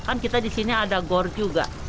kan kita di sini ada gor juga